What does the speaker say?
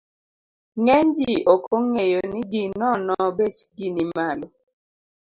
Ng'eny ji ok ong'eyo ni gi nono bechgi ni malo.